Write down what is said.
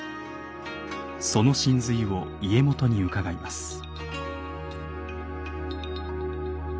その神髄を家元に伺います。